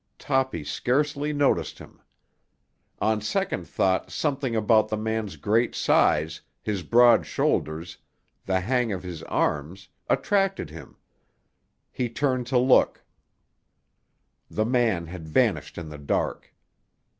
Toppy scarcely noticed him. On second thought something about the man's great size, his broad shoulders, the hang of his arms, attracted him. He turned to look; the man had vanished in the dark.